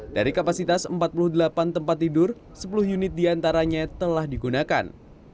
dari kapasitas empat puluh delapan tempat tidur sepuluh unit diantaranya telah digunakan